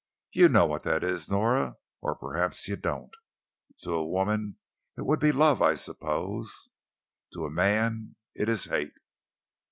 You know what that is, Nora or perhaps you don't. To a woman it would be love, I suppose. To a man it is hate."